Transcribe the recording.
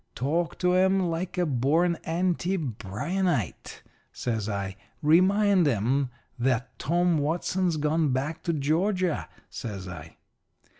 Talk to 'em like a born anti Bryanite,' says I. 'Remind 'em that Tom Watson's gone back to Georgia,' says I.